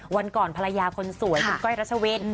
วันก่อนภรรยาคนสวยคุณก้อยรัชวิน